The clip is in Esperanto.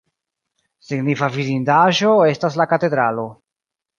Signifa vidindaĵo estas la katedralo.